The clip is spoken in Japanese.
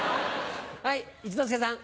はい一之輔さん。